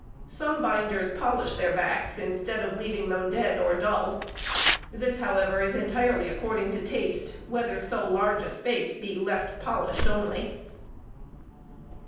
Some binders polish their backs instead of leaving them dead or dull. This, however, is entirely according to taste, whether so large a space be left polished only.